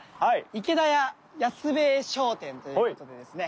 池田屋安兵衛商店という事でですね